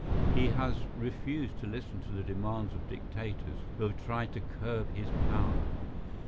He has refused to listen to the demands of dictators who have tried to curb his power.